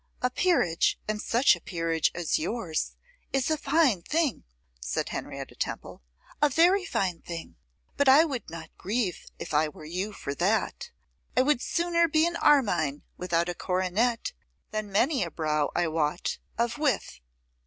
'A peerage, and such a peerage as yours, is a fine thing,' said Henrietta Temple, 'a very fine thing; but I would not grieve, if I were you, for that. I would sooner be an Armine without a coronet than many a brow I wot of with.